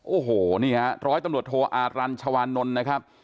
โอ้โหนี่ฮะร้อยตำรวจโทอารันชาวานนท์นะครับ